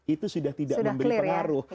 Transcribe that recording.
itu sudah tidak memberi pengaruh